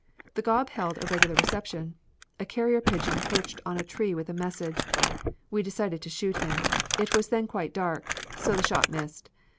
The gob held a regular reception. A carrier pigeon perched on a tree with a message. We decided to shoot him. It was then quite dark, so the shot missed.